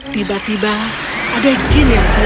tiba tiba ada jin yang